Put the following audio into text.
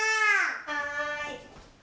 はい。